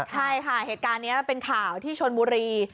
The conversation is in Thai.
ใช่ค่ะเหตุการณ์นี้เป็นข่าวที่ชนบุรี